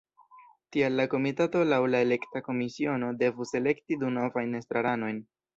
Tial la komitato laŭ la elekta komisiono devus elekti du novajn estraranojn.